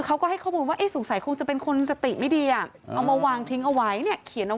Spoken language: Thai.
เขาก็ให้ข้อมูลว่าไอ้สงสัยคงจะเป็นคนสติไม่ดีอ่ะเขียนเอา